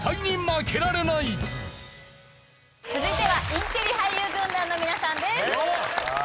続いてはインテリ俳優軍団の皆さんです。